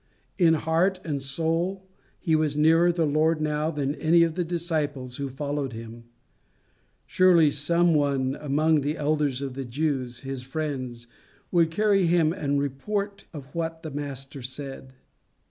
In heart and soul he was nearer the Lord now than any of the disciples who followed him. Surely some one among the elders of the Jews, his friends, would carry him the report of what the Master said.